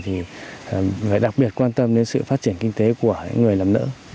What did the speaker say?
phải đặc biệt quan tâm đến sự phát triển kinh tế của người nằm nỡ